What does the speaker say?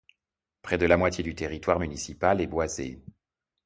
Près de la moitié du territoire municipal est boisé.